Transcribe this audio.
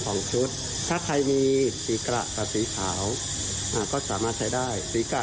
ของชุดถ้าใครมีสีกระกับสีขาวอ่าก็สามารถใช้ได้สีกะ